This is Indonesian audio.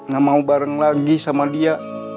gak mau bareng lagi sama dia